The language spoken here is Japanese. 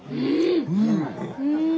うん！